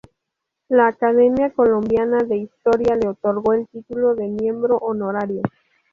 La Academia Colombiana de Historia le otorgó el título de Miembro Honorario.